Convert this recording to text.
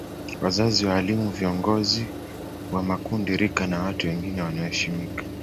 Wazazi waalimu viongizi wa makundi rika na watu wengine wanaoheshimika